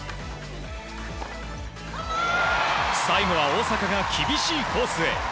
最後は大坂が厳しいコースへ。